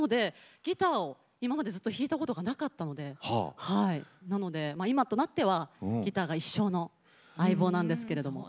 ギターを今まで弾いたことがなかったので今となっては一生の相棒なんですけれども。